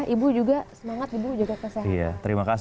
ibu juga semangat ibu jaga kesehatan